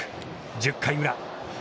１０回裏。